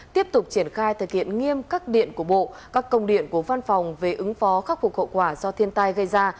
tiếp tục triển khai thực hiện nghiêm các điện của bộ các công điện của văn phòng về ứng phó khắc phục hậu quả do thiên tai gây ra